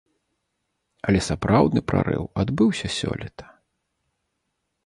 Але сапраўдны прарыў адбыўся сёлета.